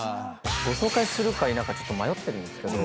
ご紹介するか否か迷ってるんですけど。